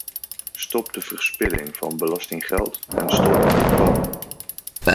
Stop de verspilling van belastinggeld en stop met dromen!